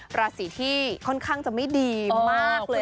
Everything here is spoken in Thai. ราศีที่ค่อนข้างจะไม่ดีมากเลย